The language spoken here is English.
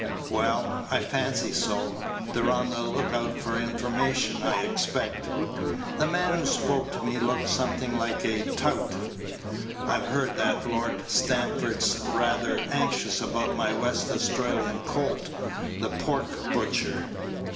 "Well, I fancy so; they're on the look out for information, I expect. The man who spoke to me looked something like a tout. I've heard that Lord Stamford's rather anxious about my West Australian colt, the Pork Butcher.